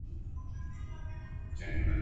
نه تر منځ به د وګړو دښمني وای ..